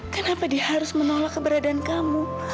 kenapa dia harus menolak keberadaan kamu